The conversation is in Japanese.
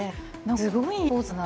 すごい。